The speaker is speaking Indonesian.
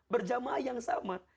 berjamaah yang sama